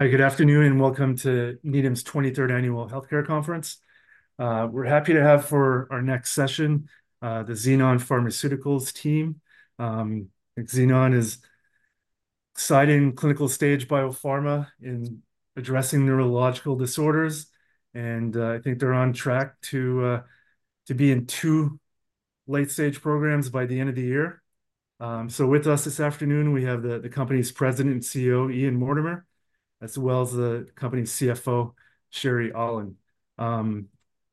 Hi, good afternoon, and welcome to Needham's 23rd Annual Healthcare Conference. We're happy to have for our next session the Xenon Pharmaceuticals team. Xenon is clinical-stage biopharma in addressing neurological disorders, and I think they're on track to be in two late-stage programs by the end of the year. So with us this afternoon, we have the company's president and CEO, Ian Mortimer, as well as the company's CFO, Sherry Aulin.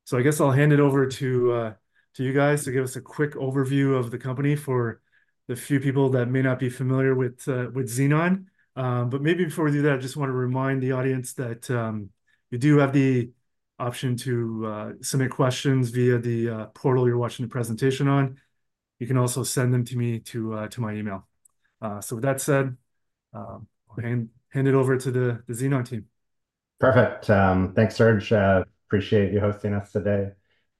So I guess I'll hand it over to you guys to give us a quick overview of the company for the few people that may not be familiar with Xenon. But maybe before we do that, I just want to remind the audience that you do have the option to submit questions via the portal you're watching the presentation on. You can also send them to me to my email. So with that said, I'll hand it over to the Xenon team. Perfect. Thanks, Serge. Appreciate you hosting us today.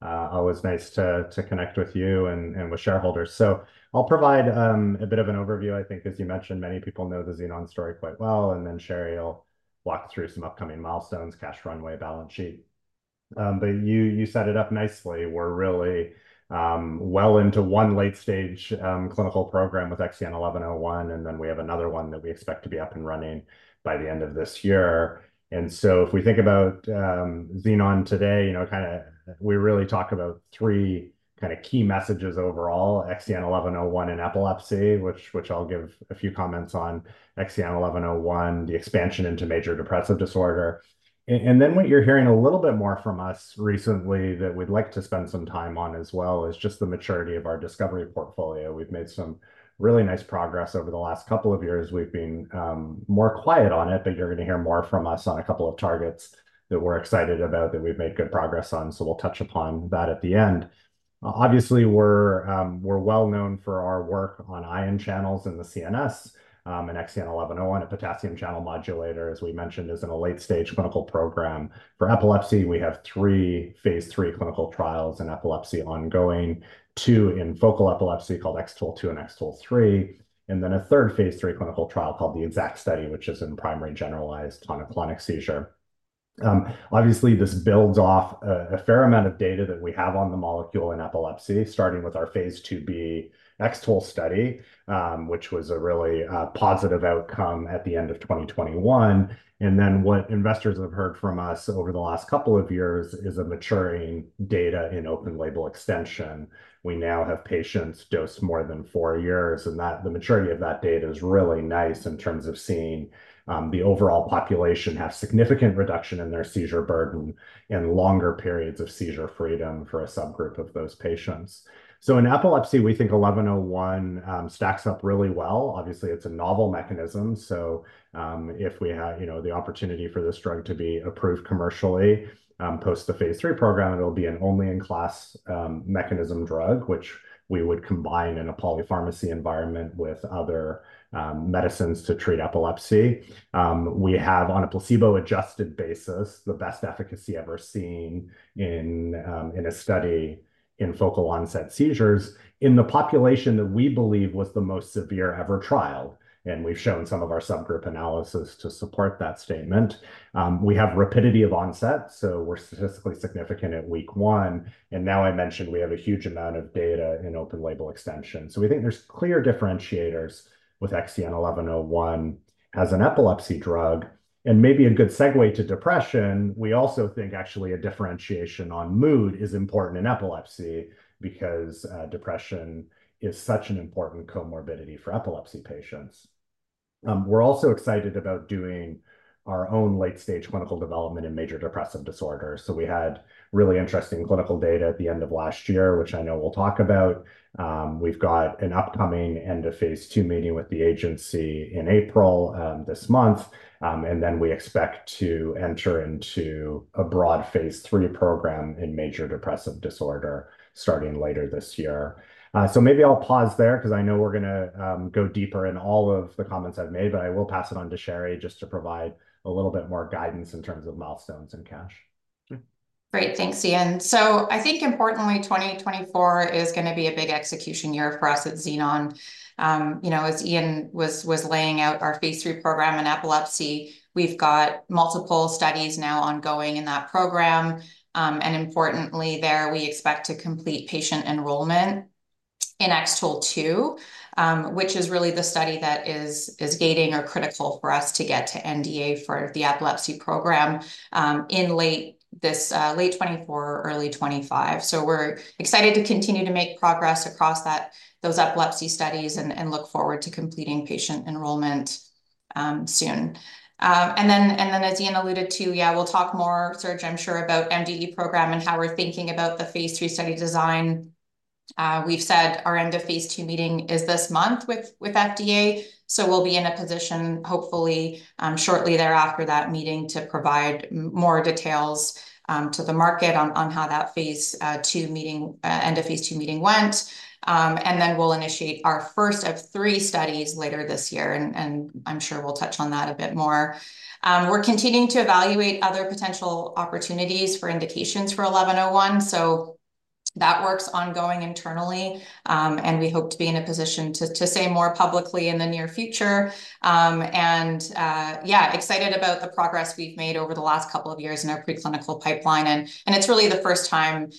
Always nice to connect with you and with shareholders. So I'll provide a bit of an overview. I think as you mentioned, many people know the Xenon story quite well, and then Sherry will walk through some upcoming milestones, cash runway, balance sheet. But you set it up nicely. We're really well into one late-stage clinical program with XEN1101, and then we have another one that we expect to be up and running by the end of this year. And so if we think about Xenon today, you know, kinda, we really talk about three kinda key messages overall: XEN1101 in epilepsy, which I'll give a few comments on, XEN1101, the expansion into major depressive disorder. And then what you're hearing a little bit more from us recently that we'd like to spend some time on as well, is just the maturity of our discovery portfolio. We've made some really nice progress over the last couple of years. We've been more quiet on it, but you're going to hear more from us on a couple of targets that we're excited about, that we've made good progress on, so we'll touch upon that at the end. Obviously, we're well known for our work on ion channels in the CNS, and XEN1101, a potassium channel modulator, as we mentioned, is in a late-stage clinical program. For epilepsy, we have three phase III clinical trials in epilepsy ongoing, two in focal epilepsy called X-TOLE2 and X-TOLE3, and then a third phase III clinical trial called the X-ACKT study, which is in primary generalized tonic-clonic seizure. Obviously, this builds off a fair amount of data that we have on the molecule in epilepsy, starting with our phase IIb X-TOLE study, which was a really positive outcome at the end of 2021. And then, what investors have heard from us over the last couple of years is maturing data in open label extension. We now have patients dosed more than four years, and that, the maturity of that data is really nice in terms of seeing the overall population have significant reduction in their seizure burden and longer periods of seizure freedom for a subgroup of those patients. So in epilepsy, we think XEN1101 stacks up really well. Obviously, it's a novel mechanism, so if we have, you know, the opportunity for this drug to be approved commercially post the phase III program, it'll be an only in class mechanism drug, which we would combine in a polypharmacy environment with other medicines to treat epilepsy. We have, on a placebo-adjusted basis, the best efficacy ever seen in a study in focal onset seizures in the population that we believe was the most severe ever trialed, and we've shown some of our subgroup analysis to support that statement. We have rapidity of onset, so we're statistically significant at week 1, and now I mentioned we have a huge amount of data in open-label extension. So we think there's clear differentiators with XEN1101 as an epilepsy drug. Maybe a good segue to depression, we also think actually a differentiation on mood is important in epilepsy because depression is such an important comorbidity for epilepsy patients. We're also excited about doing our own late-stage clinical development in major depressive disorder. So we had really interesting clinical data at the end of last year, which I know we'll talk about. We've got an upcoming end of phase II meeting with the agency in April, this month, and then we expect to enter into a broad phase III program in major depressive disorder starting later this year. So maybe I'll pause there, 'cause I know we're gonna go deeper in all of the comments I've made, but I will pass it on to Sherry, just to provide a little bit more guidance in terms of milestones and cash. Great. Thanks, Ian. So I think importantly, 2024 is gonna be a big execution year for us at Xenon. You know, as Ian was laying out our phase III program in epilepsy, we've got multiple studies now ongoing in that program. And importantly, there, we expect to complete patient enrollment in X-TOLE2, which is really the study that is gating or critical for us to get to NDA for the epilepsy program, in late 2024 or early 2025. So we're excited to continue to make progress across those epilepsy studies and look forward to completing patient enrollment soon. And then, as Ian alluded to, yeah, we'll talk more, Serge, I'm sure about MDD program and how we're thinking about the phase III study design. We've said our end of phase II meeting is this month with FDA, so we'll be in a position, hopefully, shortly thereafter that meeting, to provide more details to the market on how that phase II meeting, end of phase II meeting went. And then we'll initiate our first of three studies later this year, and I'm sure we'll touch on that a bit more. We're continuing to evaluate other potential opportunities for indications for XEN1101, so that work's ongoing internally, and we hope to be in a position to say more publicly in the near future. Yeah, excited about the progress we've made over the last couple of years in our preclinical pipeline, and it's really the first time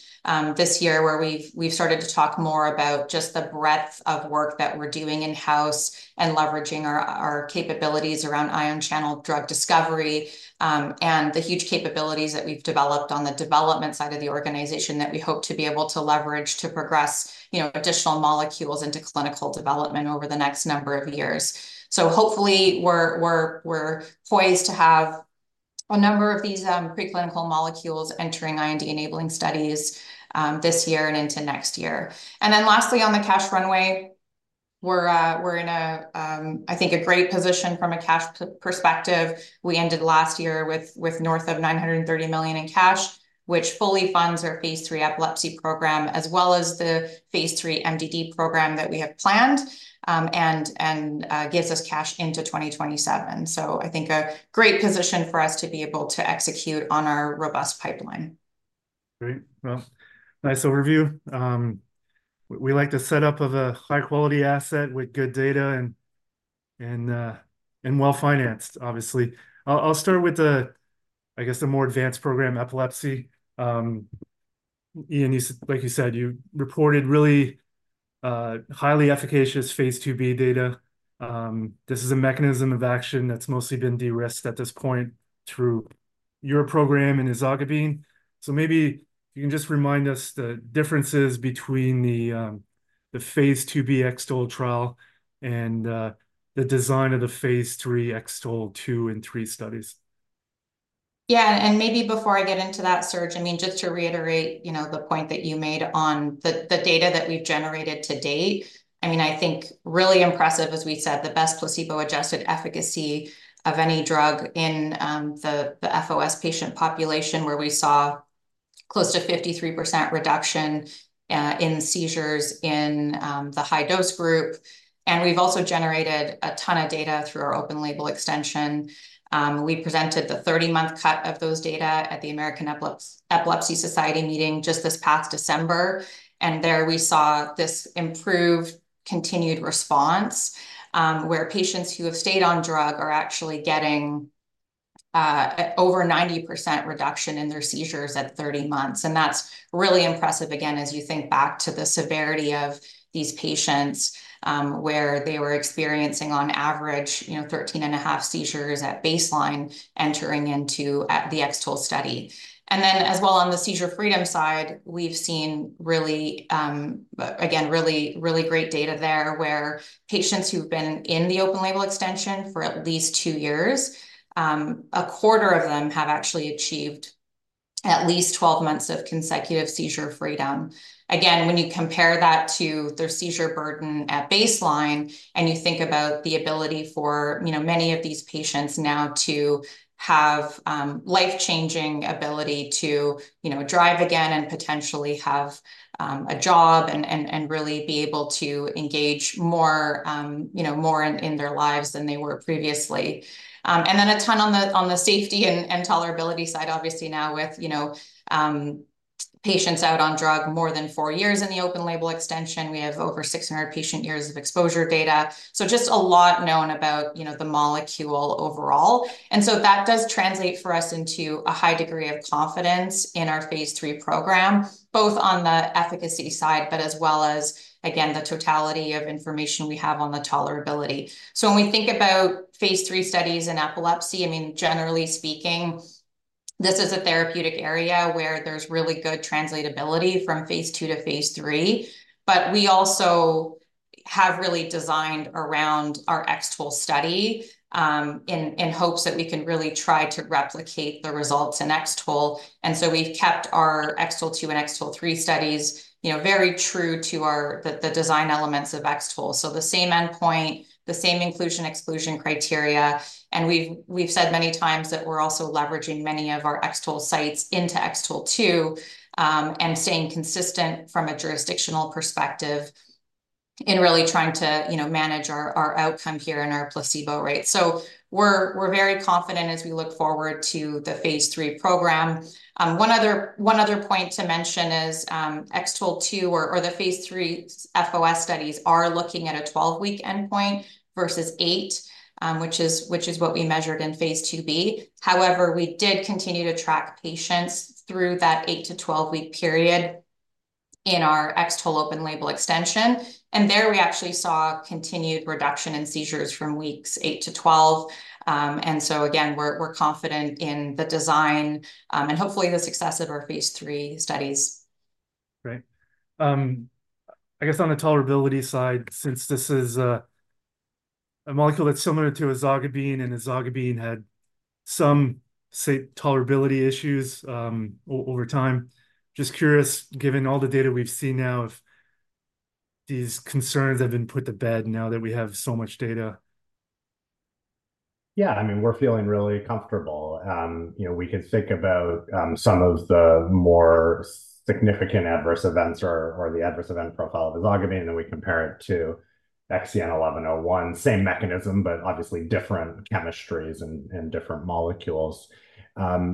this year where we've started to talk more about just the breadth of work that we're doing in-house and leveraging our capabilities around ion channel drug discovery, and the huge capabilities that we've developed on the development side of the organization that we hope to be able to leverage to progress, you know, additional molecules into clinical development over the next number of years. So hopefully we're poised to have a number of these preclinical molecules entering IND-enabling studies this year and into next year. And then lastly, on the cash runway, we're in a, I think, a great position from a cash perspective. We ended last year with north of $930 million in cash, which fully funds our phase III epilepsy program, as well as the phase III MDD program that we have planned, and gives us cash into 2027. So I think a great position for us to be able to execute on our robust pipeline. Great. Well, nice overview. We like the setup of a high-quality asset with good data and well-financed, obviously. I'll start with, I guess, the more advanced program, epilepsy. Ian, like you said, you reported really highly efficacious phase IIb data. This is a mechanism of action that's mostly been de-risked at this point through your program and ezogabine. So maybe you can just remind us the differences between the phase IIb X-TOLE trial and the design of the phase III X-TOLE2 and X-TOLE3 studies. Yeah, and maybe before I get into that, Serge, I mean, just to reiterate, you know, the point that you made on the data that we've generated to date, I mean, I think really impressive, as we said, the best placebo-adjusted efficacy of any drug in the FOS patient population, where we saw close to 53% reduction in seizures in the high-dose group. We've also generated a ton of data through our open label extension. We presented the 30-month cut of those data at the American Epilepsy Society meeting just this past December, and there we saw this improved, continued response, where patients who have stayed on drug are actually getting over 90% reduction in their seizures at 30 months. And that's really impressive, again, as you think back to the severity of these patients, where they were experiencing, on average, you know, 13.5 seizures at baseline entering into the X-TOLE study. And then, as well on the seizure freedom side, we've seen really, again, really, really great data there, where patients who've been in the open label extension for at least two years, a quarter of them have actually achieved at least 12 months of consecutive seizure freedom. Again, when you compare that to their seizure burden at baseline, and you think about the ability for, you know, many of these patients now to have, life-changing ability to, you know, drive again and potentially have, a job and really be able to engage more, you know, more in their lives than they were previously. And then a ton on the safety and tolerability side, obviously now with, you know, patients out on drug more than four years in the open-label extension, we have over 600 patient years of exposure data. So just a lot known about, you know, the molecule overall. And so that does translate for us into a high degree of confidence in our phase III program, both on the efficacy side, but as well as, again, the totality of information we have on the tolerability. So when we think about phase III studies in epilepsy, I mean, generally speaking, this is a therapeutic area where there's really good translatability from phase II to phase III, but we also have really designed around our X-TOLE study, in hopes that we can really try to replicate the results in X-TOLE. We've kept our X-TOLE2 and X-TOLE3 studies, you know, very true to our the design elements of X-TOLE. So the same endpoint, the same inclusion/exclusion criteria, and we've said many times that we're also leveraging many of our X-TOLE sites into X-TOLE2, and staying consistent from a jurisdictional perspective in really trying to, you know, manage our outcome here and our placebo rate. So we're very confident as we look forward to the phase III program. One other point to mention is, X-TOLE2, or the phase III FOS studies are looking at a 12-week endpoint versus 8, which is what we measured in phase IIb. However, we did continue to track patients through that 8- to 12-week period in our X-TOLE open-label extension, and there we actually saw continued reduction in seizures from weeks eight to 12. So again, we're confident in the design, and hopefully the success of our phase III studies. Great. I guess on the tolerability side, since this is a molecule that's similar to ezogabine, and ezogabine had some, say, tolerability issues, over time, just curious, given all the data we've seen now, if these concerns have been put to bed now that we have so much data? Yeah. I mean, we're feeling really comfortable. You know, we could think about some of the more significant adverse events or the adverse event profile of ezogabine, and we compare it to XEN1101, same mechanism, but obviously different chemistries and different molecules.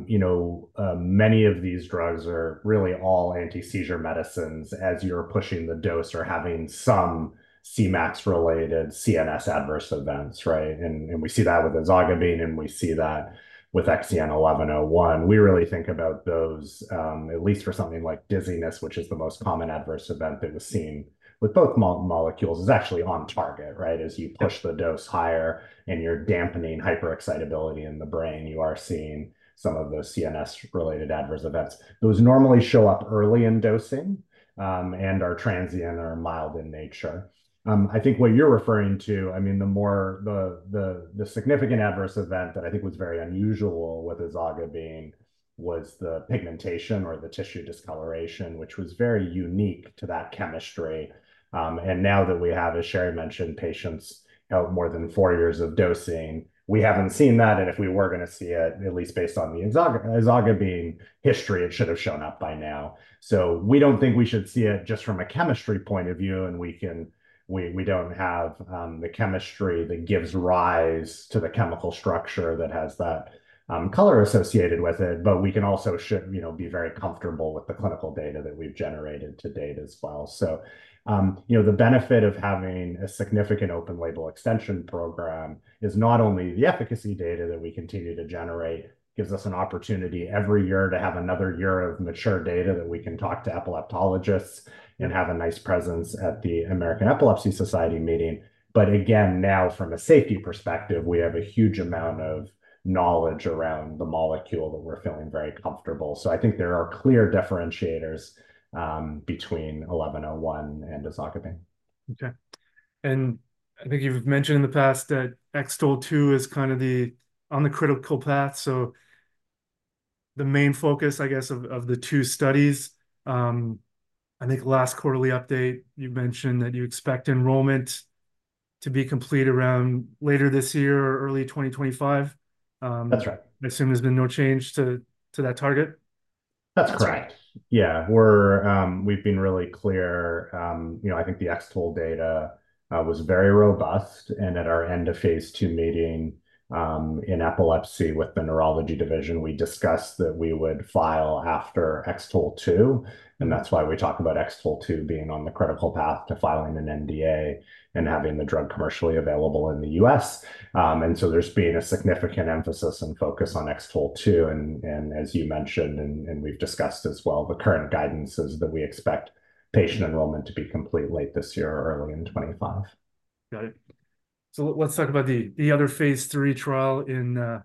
You know, many of these drugs are really all anti-seizure medicines as you're pushing the dose or having some Cmax-related CNS adverse events, right? And we see that with ezogabine, and we see that with XEN1101. We really think about those, at least for something like dizziness, which is the most common adverse event that was seen with both molecules. It's actually on target, right? As you push the dose higher and you're dampening hyperexcitability in the brain, you are seeing some of those CNS-related adverse events. Those normally show up early in dosing, and are transient or mild in nature. I think what you're referring to, I mean, the significant adverse event that I think was very unusual with ezogabine was the pigmentation or the tissue discoloration, which was very unique to that chemistry. And now that we have, as Sherry mentioned, patients out more than four years of dosing, we haven't seen that, and if we were going to see it, at least based on the ezogabine history, it should have shown up by now. So we don't think we should see it just from a chemistry point of view, and we don't have the chemistry that gives rise to the chemical structure that has that color associated with it. But we can also should, you know, be very comfortable with the clinical data that we've generated to date as well. So, you know, the benefit of having a significant open label extension program is not only the efficacy data that we continue to generate, gives us an opportunity every year to have another year of mature data that we can talk to epileptologists and have a nice presence at the American Epilepsy Society meeting. But again, now, from a safety perspective, we have a huge amount of knowledge around the molecule that we're feeling very comfortable. So I think there are clear differentiators between XEN1101 and ezogabine. Okay. And I think you've mentioned in the past that X-TOLE2 is kind of the, on the critical path, so the main focus, I guess, of, of the two studies. I think last quarterly update, you mentioned that you expect enrollment to be complete around later this year or early 2025. That's right. I assume there's been no change to that target? That's correct. Yeah, we're. We've been really clear. You know, I think the X-TOLE data was very robust, and at our end of phase II meeting in epilepsy with the neurology division, we discussed that we would file after X-TOLE2, and that's why we talk about X-TOLE2 being on the critical path to filing an NDA and having the drug commercially available in the U.S. And so there's been a significant emphasis and focus on X-TOLE2, and as you mentioned, and we've discussed as well, the current guidance is that we expect patient enrollment to be complete late this year or early in 2025. Got it. So let's talk about the other phase III trial in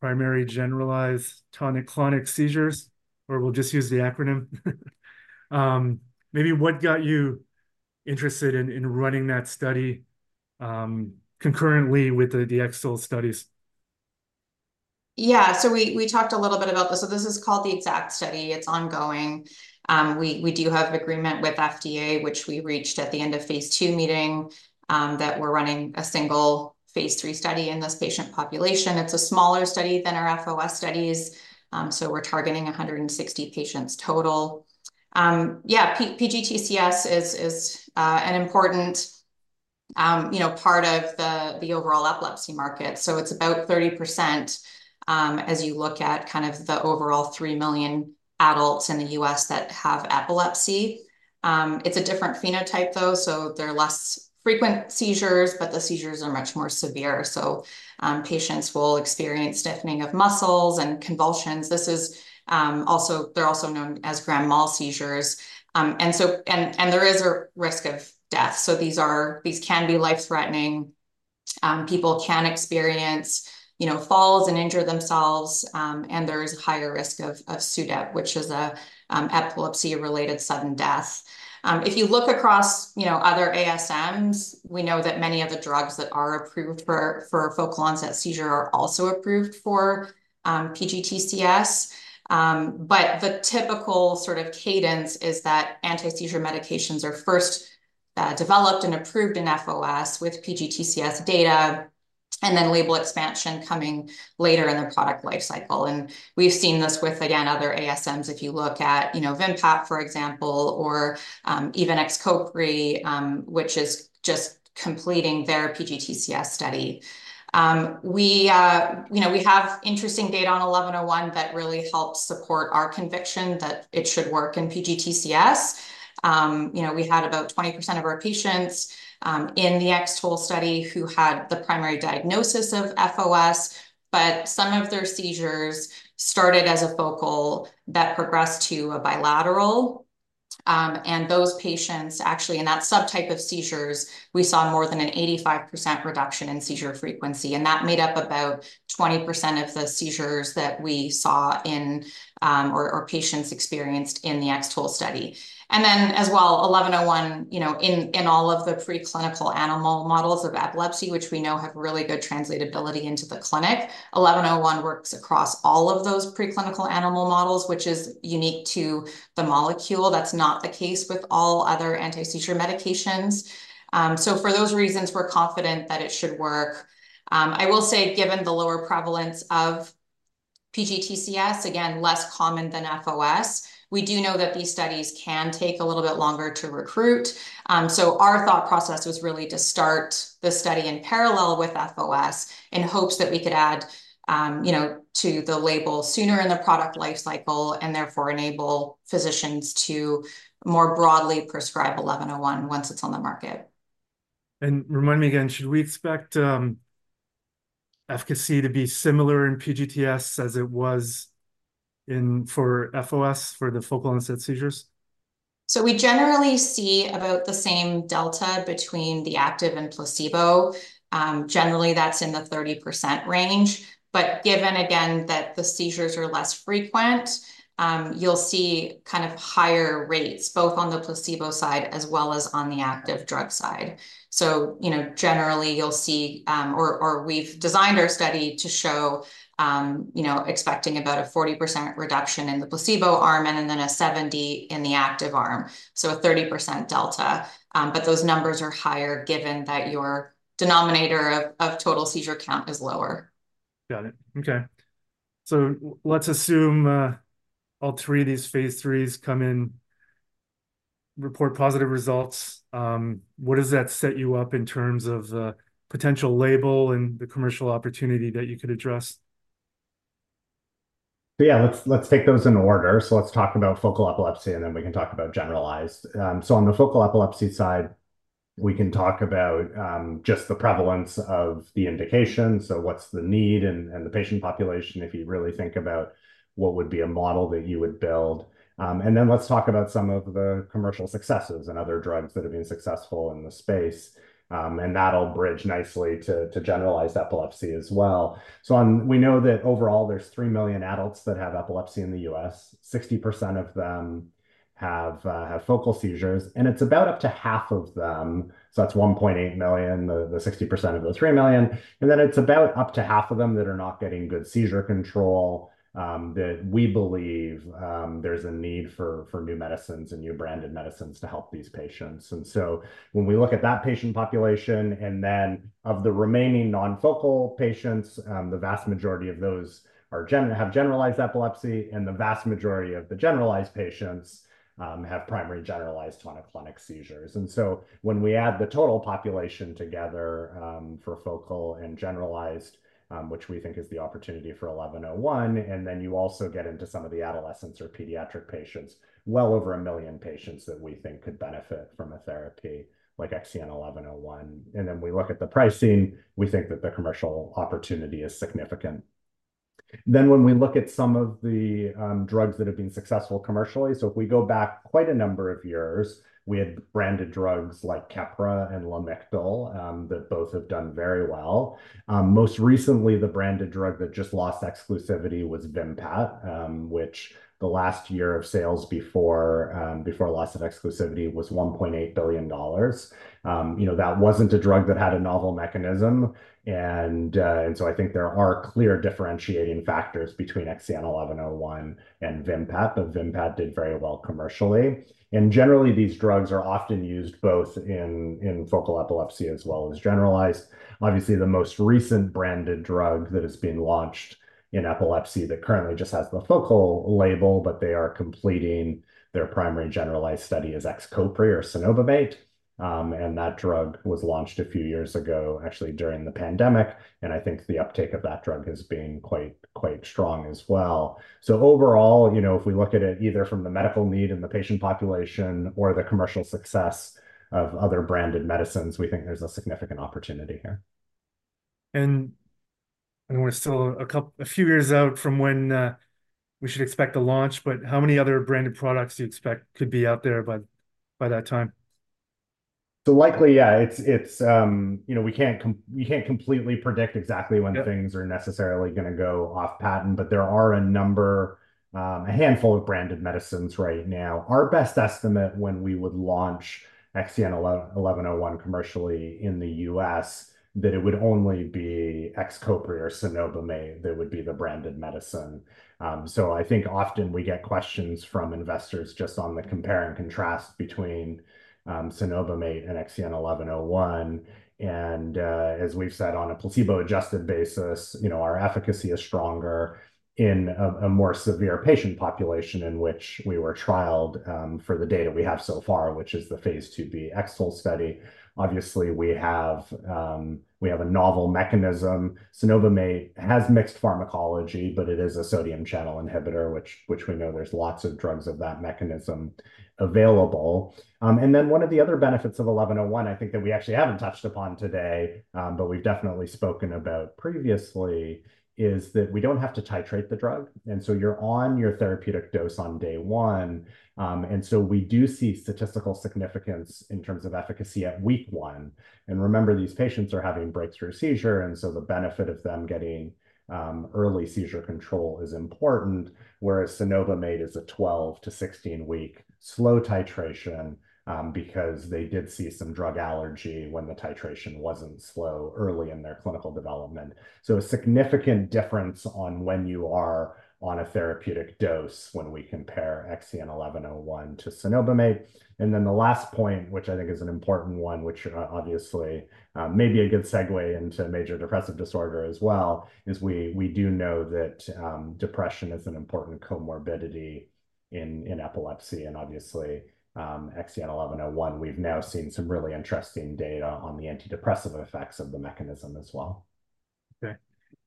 primary generalized tonic-clonic seizures, or we'll just use the acronym. Maybe what got you interested in running that study concurrently with the X-TOLE studies? Yeah, so we talked a little bit about this. This is called the X-ACKT study. It's ongoing. We do have agreement with FDA, which we reached at the end of phase II meeting, that we're running a single phase III study in this patient population. It's a smaller study than our FOS studies, so we're targeting 160 patients total. Yeah, PGTCS is an important, you know, part of the overall epilepsy market, so it's about 30%, as you look at kind of the overall 3 million adults in the U.S. that have epilepsy. It's a different phenotype, though, so there are less frequent seizures, but the seizures are much more severe. Patients will experience stiffening of muscles and convulsions. This is also. They're also known as grand mal seizures. So, there is a risk of death. These can be life-threatening. People can experience, you know, falls and injure themselves, and there is a higher risk of SUDEP, which is an epilepsy-related sudden death. If you look across, you know, other ASMs, we know that many of the drugs that are approved for focal onset seizure are also approved for PGTCS. But the typical sort of cadence is that anti-seizure medications are first developed and approved in FOS with PGTCS data, and then label expansion coming later in their product life cycle. We've seen this with, again, other ASMs. If you look at, you know, Vimpat, for example, or even Xcopri, which is just completing their PGTCS study. You know, we have interesting data onXEN1101 that really helps support our conviction that it should work in PGTCS. You know, we had about 20% of our patients in the X-TOLE study who had the primary diagnosis of FOS, but some of their seizures started as a focal that progressed to a bilateral. And those patients, actually, in that subtype of seizures, we saw more than an 85% reduction in seizure frequency, and that made up about 20% of the seizures that we saw, or patients experienced, in the X-TOLE study. And then, as well, XEN1101, you know, in all of the preclinical animal models of epilepsy, which we know have really good translatability into the clinic, XEN1101 works across all of those preclinical animal models, which is unique to the molecule. That's not the case with all other anti-seizure medications. So for those reasons, we're confident that it should work. I will say, given the lower prevalence of PGTCS, again, less common than FOS. We do know that these studies can take a little bit longer to recruit. So our thought process was really to start the study in parallel with FOS, in hopes that we could add, you know, to the label sooner in the product life cycle, and therefore enable physicians to more broadly prescribe XEN1101 once it's on the market. Remind me again, should we expect efficacy to be similar in PGTCS as it was in FOS, for the focal onset seizures? So we generally see about the same delta between the active and placebo. Generally, that's in the 30% range, but given again that the seizures are less frequent, you'll see kind of higher rates, both on the placebo side as well as on the active drug side. So, you know, generally, you'll see, or, we've designed our study to show, you know, expecting about a 40% reduction in the placebo arm, and then a 70% in the active arm. So a 30% delta. But those numbers are higher, given that your denominator of total seizure count is lower. Got it. Okay. So let's assume all three of these phase IIIs come in, report positive results. What does that set you up in terms of the potential label and the commercial opportunity that you could address? Yeah, let's, let's take those in order. So let's talk about focal epilepsy, and then we can talk about generalized. So on the focal epilepsy side, we can talk about, just the prevalence of the indication. So what's the need and, and the patient population, if you really think about what would be a model that you would build? And then let's talk about some of the commercial successes and other drugs that have been successful in the space. And that'll bridge nicely to, to generalized epilepsy as well. So we know that overall, there's 3 million adults that have epilepsy in the U.S. 60% of them have focal seizures, and it's about up to half of them, so that's 1.8 million, the 60% of the 3 million, and then it's about up to half of them that are not getting good seizure control, that we believe there's a need for new medicines and new branded medicines to help these patients. And so when we look at that patient population, and then of the remaining non-focal patients, the vast majority of those have generalized epilepsy, and the vast majority of the generalized patients have primary generalized tonic-clonic seizures. When we add the total population together, for focal and generalized, which we think is the opportunity for XEN1101, and then you also get into some of the adolescents or pediatric patients, well over 1 million patients that we think could benefit from a therapy like XEN1101. Then we look at the pricing, we think that the commercial opportunity is significant. Then, when we look at some of the drugs that have been successful commercially, so if we go back quite a number of years, we had branded drugs like Keppra and Lamictal that both have done very well. Most recently, the branded drug that just lost exclusivity was Vimpat, which the last year of sales before loss of exclusivity was $1.8 billion. You know, that wasn't a drug that had a novel mechanism, and, and so I think there are clear differentiating factors between XEN1101 and Vimpat, but Vimpat did very well commercially. Generally, these drugs are often used both in focal epilepsy as well as generalized. Obviously, the most recent branded drug that has been launched in epilepsy that currently just has the focal label, but they are completing their primary generalized study, is Xcopri or cenobamate. And that drug was launched a few years ago, actually during the pandemic, and I think the uptake of that drug has been quite, quite strong as well. So overall, you know, if we look at it, either from the medical need and the patient population or the commercial success of other branded medicines, we think there's a significant opportunity here. We're still a few years out from when we should expect a launch, but how many other branded products do you expect could be out there by that time? So likely, yeah, it's, you know, we can't completely predict exactly when things are necessarily gonna go off patent, but there are a number, a handful of branded medicines right now. Our best estimate when we would launch XEN1101 commercially in the U.S., that it would only be Xcopri or cenobamate that would be the branded medicine. So I think often we get questions from investors just on the compare and contrast between, cenobamate and XEN1101, and, as we've said, on a placebo-adjusted basis, you know, our efficacy is stronger in a, a more severe patient population in which we were trialed, for the data we have so far, which is the phase IIb X-TOLE study. Obviously, we have, we have a novel mechanism. Cenobamate has mixed pharmacology, but it is a sodium channel inhibitor, which, we know there's lots of drugs of that mechanism available. And then one of the other benefits of XEN1101, I think that we actually haven't touched upon today, but we've definitely spoken about previously, is that we don't have to titrate the drug, and so you're on your therapeutic dose on day 1. And so we do see statistical significance in terms of efficacy at week 1. And remember, these patients are having breakthrough seizure, and so the benefit of them getting, early seizure control is important, whereas cenobamate is a 12- to 16-week slow titration, because they did see some drug allergy when the titration wasn't slow early in their clinical development. So a significant difference on when you are on a therapeutic dose when we compare XEN1101 to cenobamate. Then the last point, which I think is an important one, which obviously may be a good segue into major depressive disorder as well, is we do know that depression is an important comorbidity in epilepsy. And obviously, XEN1101, we've now seen some really interesting data on the antidepressant effects of the mechanism as well. Okay,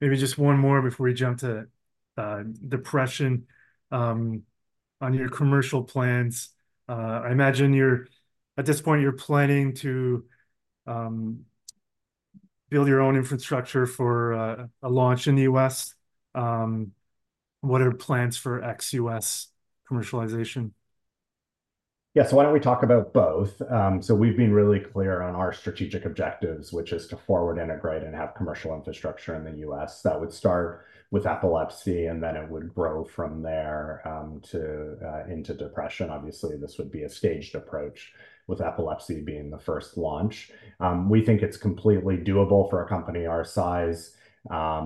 maybe just one more before we jump to depression. On your commercial plans, I imagine you're, at this point, you're planning to build your own infrastructure for a launch in the U.S. What are plans for ex-U.S. commercialization? Yeah, so why don't we talk about both? So we've been really clear on our strategic objectives, which is to forward integrate and have commercial infrastructure in the U.S. That would start with epilepsy, and then it would grow from there into depression. Obviously, this would be a staged approach, with epilepsy being the first launch. We think it's completely doable for a company our size.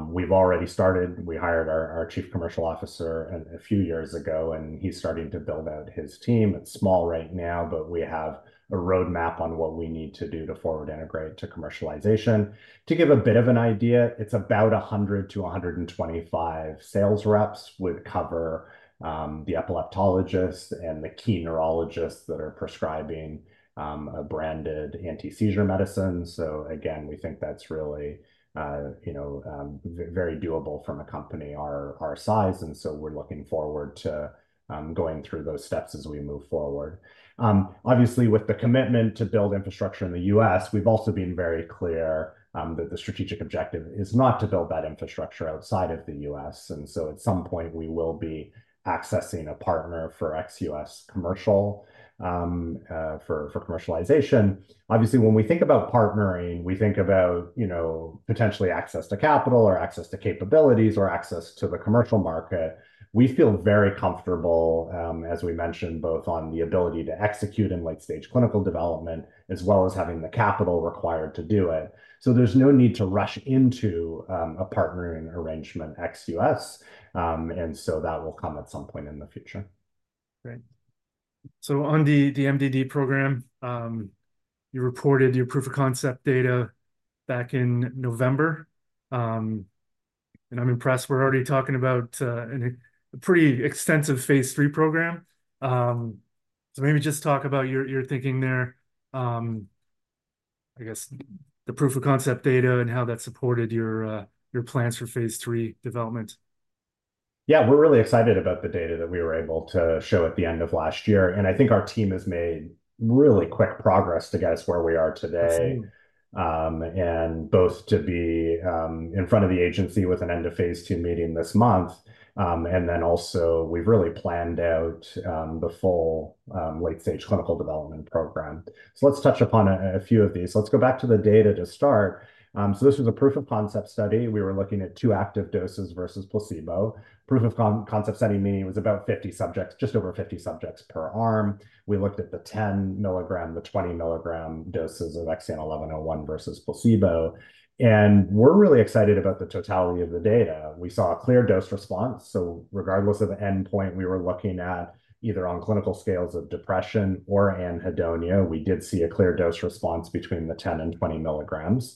We've already started. We hired our Chief Commercial Officer a few years ago, and he's starting to build out his team. It's small right now, but we have a roadmap on what we need to do to forward integrate to commercialization. To give a bit of an idea, it's about 100-125 sales reps would cover the epileptologists and the key neurologists that are prescribing a branded anti-seizure medicine. So again, we think that's really, you know, very doable from a company our size, and so we're looking forward to going through those steps as we move forward. Obviously, with the commitment to build infrastructure in the U.S., we've also been very clear that the strategic objective is not to build that infrastructure outside of the U.S., and so at some point, we will be accessing a partner for ex-U.S. commercial for commercialization. Obviously, when we think about partnering, we think about, you know, potentially access to capital or access to capabilities or access to the commercial market. We feel very comfortable, as we mentioned, both on the ability to execute in late-stage clinical development, as well as having the capital required to do it. So there's no need to rush into a partnering arrangement ex-U.S. That will come at some point in the future. Great. So on the MDD program, you reported your proof of concept data back in November. I'm impressed. We're already talking about a pretty extensive phase III program. So maybe just talk about your thinking there. I guess the proof of concept data and how that supported your plans for phase III development. Yeah, we're really excited about the data that we were able to show at the end of last year, and I think our team has made really quick progress to get us where we are today. And both to be in front of the agency with an end-of-phase II meeting this month. And then also, we've really planned out the full late-stage clinical development program. So let's touch upon a few of these. Let's go back to the data to start. So this was a proof-of-concept study. We were looking at two active doses versus placebo. Proof-of-concept study, meaning it was about 50 subjects, just over 50 subjects per arm. We looked at the 10 mg, the 20 mg doses of XEN1101 versus placebo, and we're really excited about the totality of the data. We saw a clear dose response, so regardless of the endpoint we were looking at, either on clinical scales of depression or anhedonia, we did see a clear dose response between the 10 mg and 20 mg.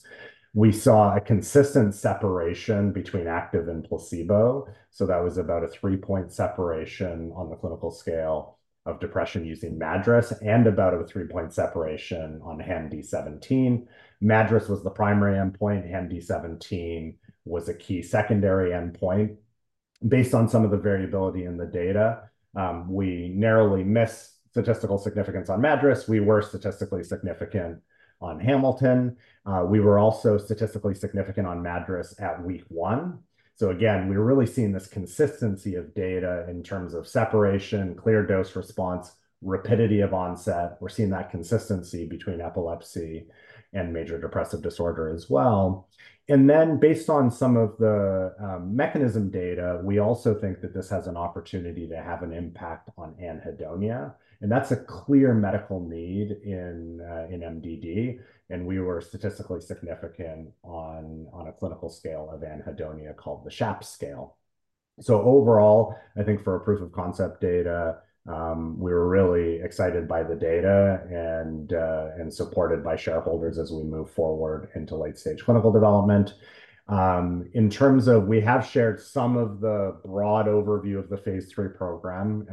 We saw a consistent separation between active and placebo, so that was about a three-point separation on the clinical scale of depression using MADRS, and about a three-point separation on HAM-D17. MADRS was the primary endpoint, HAM-D17 was a key secondary endpoint. Based on some of the variability in the data, we narrowly missed statistical significance on MADRS. We were statistically significant on Hamilton. We were also statistically significant on MADRS at week one. So again, we're really seeing this consistency of data in terms of separation, clear dose response, rapidity of onset. We're seeing that consistency between epilepsy and major depressive disorder as well. Based on some of the mechanism data, we also think that this has an opportunity to have an impact on anhedonia, and that's a clear medical need in in MDD, and we were statistically significant on a clinical scale of anhedonia, called the SHAPS scale. So overall, I think for a proof of concept data, we're really excited by the data and supported by shareholders as we move forward into late-stage clinical development. In terms of, we have shared some of the broad overview of the phase III program.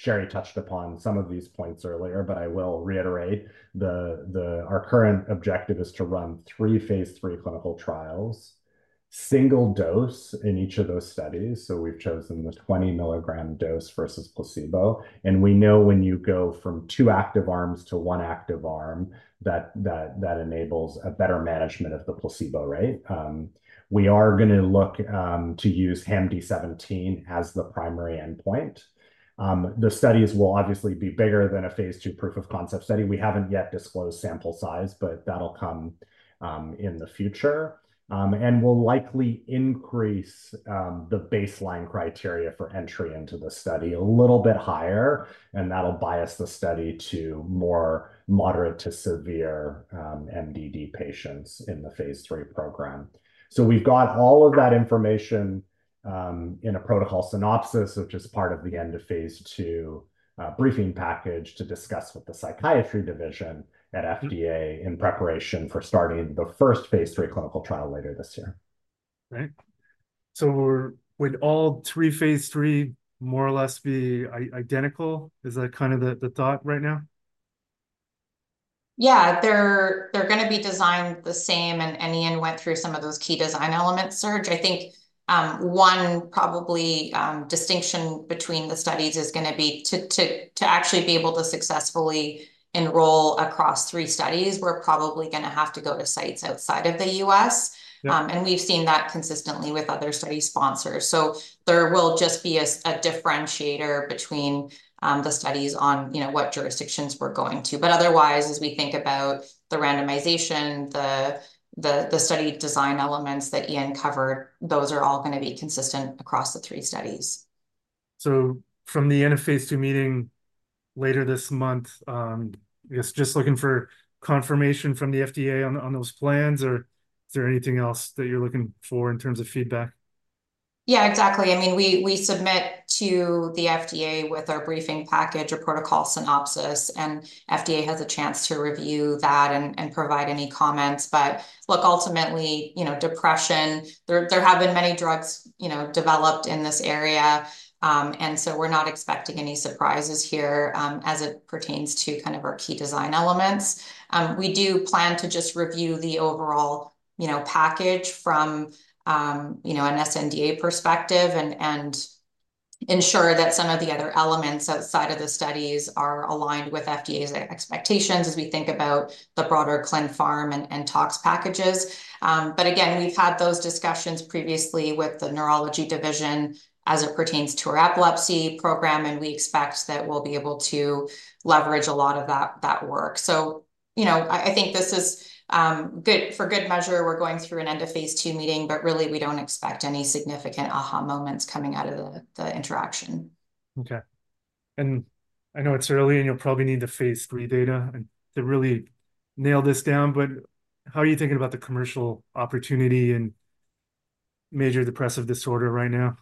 Sherry touched upon some of these points earlier, but I will reiterate, our current objective is to run three phase III clinical trials, single dose in each of those studies, so we've chosen the 20 mg dose versus placebo. We know when you go from two active arms to one active arm, that enables a better management of the placebo, right? We are gonna look to use HAM-D17 as the primary endpoint. The studies will obviously be bigger than a phase II proof of concept study. We haven't yet disclosed sample size, but that'll come in the future. And we'll likely increase the baseline criteria for entry into the study a little bit higher, and that'll bias the study to more moderate to severe MDD patients in the phase III program. So we've got all of that information in a protocol synopsis, which is part of the end of phase II briefing package, to discuss with the psychiatry division at FDA in preparation for starting the first phase III clinical trial later this year. Great. So would all three phase III more or less be identical? Is that kind of the thought right now? Yeah, they're gonna be designed the same, and Ian went through some of those key design elements, Serge. I think one probably distinction between the studies is gonna be to actually be able to successfully enroll across three studies. We're probably gonna have to go to sites outside of the U.S. and we've seen that consistently with other study sponsors. So there will just be a differentiator between the studies on, you know, what jurisdictions we're going to. But otherwise, as we think about the randomization, the study design elements that Ian covered, those are all gonna be consistent across the three studies. From the end of phase II meeting later this month, I guess just looking for confirmation from the FDA on, on those plans, or is there anything else that you're looking for in terms of feedback? Yeah, exactly. I mean, we submit to the FDA with our briefing package or protocol synopsis, and FDA has a chance to review that and provide any comments. But look, ultimately, you know, depression, there have been many drugs, you know, developed in this area. And so we're not expecting any surprises here, as it pertains to kind of our key design elements. We do plan to just review the overall, you know, package from, you know, an sNDA perspective, and ensure that some of the other elements outside of the studies are aligned with FDA's expectations as we think about the broader clin pharm and tox packages. But again, we've had those discussions previously with the neurology division as it pertains to our epilepsy program, and we expect that we'll be able to leverage a lot of that work. So, you know, I think this is good, for good measure, we're going through an end-of-phase II meeting, but really, we don't expect any significant aha moments coming out of the interaction. Okay. And I know it's early, and you'll probably need the phase III data, and to really nail this down, but how are you thinking about the commercial opportunity in major depressive disorder right now?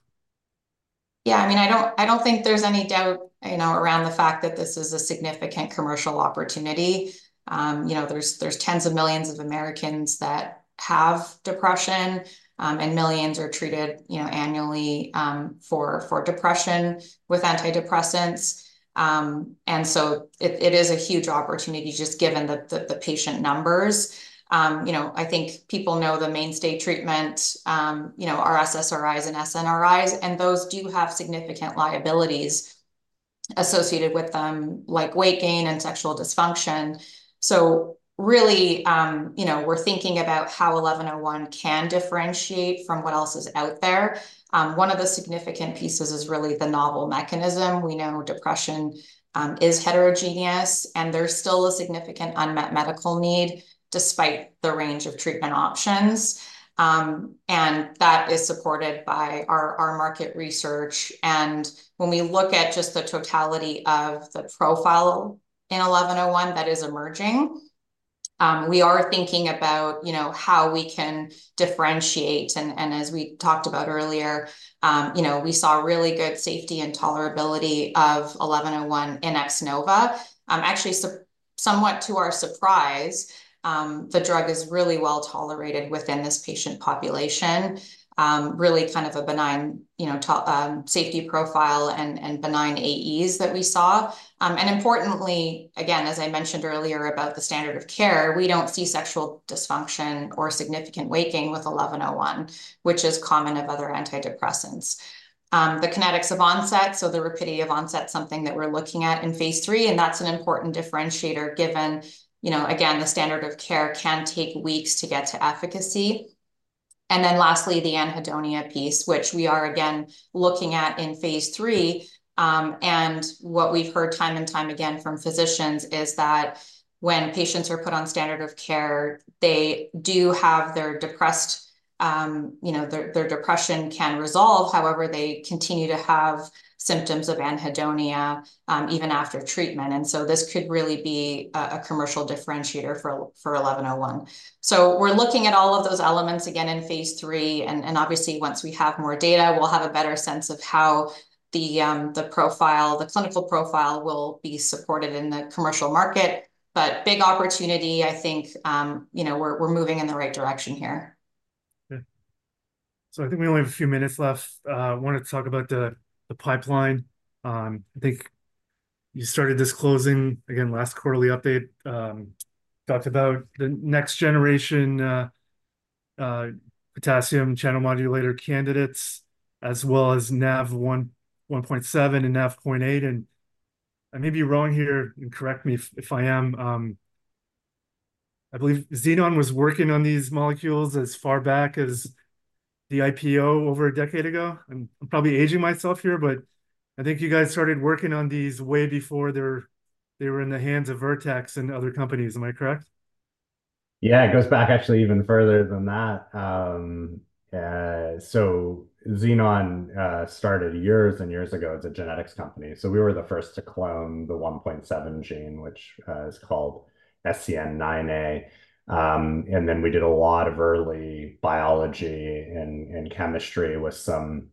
Yeah, I mean, I don't think there's any doubt, you know, around the fact that this is a significant commercial opportunity. You know, there's tens of millions of Americans that have depression, and millions are treated, you know, annually, for depression with antidepressants. And so it is a huge opportunity, just given the patient numbers. You know, I think people know the mainstay treatment, you know, are SSRIs and SNRIs, and those do have significant liabilities associated with them, like weight gain and sexual dysfunction. So really, you know, we're thinking about how XEN1101 can differentiate from what else is out there. One of the significant pieces is really the novel mechanism. We know depression is heterogeneous, and there's still a significant unmet medical need, despite the range of treatment options. And that is supported by our market research. And when we look at just the totality of the profile in XEN1101 that is emerging, we are thinking about, you know, how we can differentiate. And as we talked about earlier, you know, we saw really good safety and tolerability of XEN1101 in X-NOVA. Actually, somewhat to our surprise, the drug is really well tolerated within this patient population. Really kind of a benign, you know, to safety profile and benign AEs that we saw. And importantly, again, as I mentioned earlier about the standard of care, we don't see sexual dysfunction or significant weight gain with XEN1101, which is common of other antidepressants. The kinetics of onset, so the rapidity of onset, something that we're looking at in phase III, and that's an important differentiator, given, you know, again, the standard of care can take weeks to get to efficacy. And then lastly, the anhedonia piece, which we are again looking at in phase III, and what we've heard time and time again from physicians is that when patients are put on standard of care, they do have their depressed, you know, their, their depression can resolve. However, they continue to have symptoms of anhedonia, even after treatment, and so this could really be a commercial differentiator for, for XEN1101. So we're looking at all of those elements again in phase III, and obviously, once we have more data, we'll have a better sense of how the profile, the clinical profile will be supported in the commercial market. But big opportunity, I think, you know, we're moving in the right direction here. Yeah. So I think we only have a few minutes left. I wanted to talk about the pipeline. I think you started this closing, again, last quarterly update, talked about the next generation potassium channel modulator candidates, as well as Nav1.7 and Nav1.8. And I may be wrong here, and correct me if I am, I believe Xenon was working on these molecules as far back as the IPO over a decade ago. I'm probably aging myself here, but I think you guys started working on these way before they were in the hands of Vertex and other companies. Am I correct? Yeah, it goes back actually even further than that. So Xenon started years and years ago as a genetics company. So we were the first to clone the 1.7 gene, which is called SCN9A. And then we did a lot of early biology and chemistry with some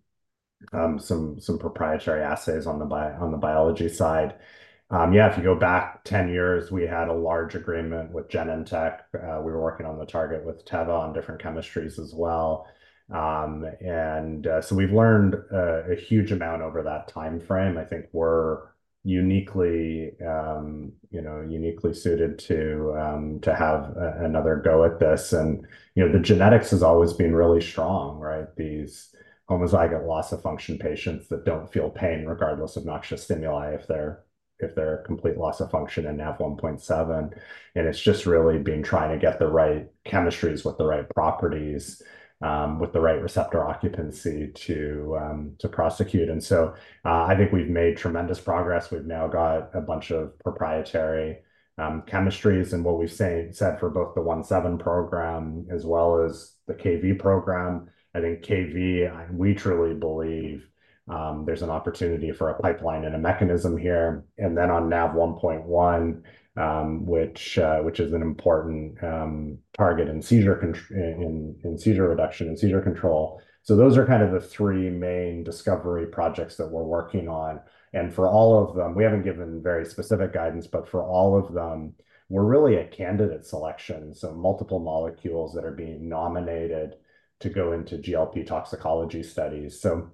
proprietary assays on the biology side. Yeah, if you go back 10 years, we had a large agreement with Genentech. We were working on the target with Teva on different chemistries as well. And so we've learned a huge amount over that timeframe. I think we're uniquely, you know, uniquely suited to have another go at this. And, you know, the genetics has always been really strong, right? These homozygous loss of function patients that don't feel pain, regardless of noxious stimuli, if they're a complete loss of function in Nav1.7. And it's just really been trying to get the right chemistries with the right properties, with the right receptor occupancy to prosecute. And so, I think we've made tremendous progress. We've now got a bunch of proprietary chemistries, and what we've said for both the Nav1.7 program as well as the Kv7 program. I think Kv7, we truly believe, there's an opportunity for a pipeline and a mechanism here. And then on Nav1.1, which is an important target in seizure control in seizure reduction and seizure control. So those are kind of the three main discovery projects that we're working on. For all of them, we haven't given very specific guidance, but for all of them, we're really at candidate selection, so multiple molecules that are being nominated to go into GLP toxicology studies. So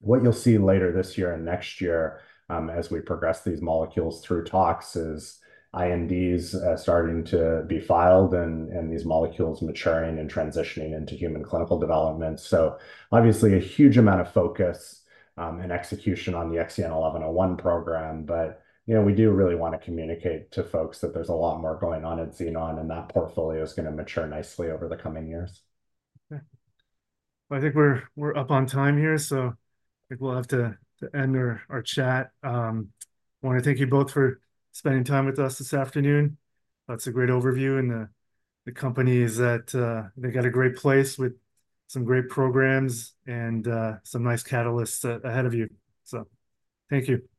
what you'll see later this year and next year, as we progress these molecules through tox is INDs starting to be filed and these molecules maturing and transitioning into human clinical development. So obviously, a huge amount of focus and execution on the XEN1101 program. But, you know, we do really want to communicate to folks that there's a lot more going on at Xenon, and that portfolio is going to mature nicely over the coming years. Okay. Well, I think we're up on time here, so I think we'll have to end our chat. I wanna thank you both for spending time with us this afternoon. That's a great overview, and the company is at, they've got a great place with some great programs and some nice catalysts ahead of you. So thank you.